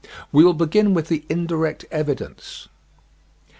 We will begin with the indirect evidence.